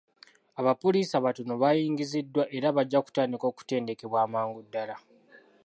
Abapoliisi abatono baayingiziddwa era bajja kutandika okutendekebwa amangu ddaala.